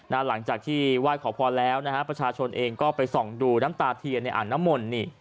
นั่นหลังจากที่วาดขอพอแล้วประชาชนเองก็ไปส่องดูน้ำตาเทียในอันน้ำมนต์